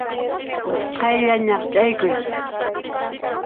Usqhaylla ñaqch'akuy.